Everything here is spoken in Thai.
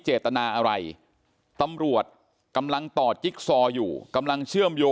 เจตนาอะไรตำรวจกำลังต่อจิ๊กซออยู่กำลังเชื่อมโย